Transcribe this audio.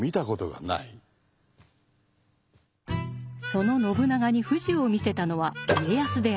その信長に富士を見せたのは家康である。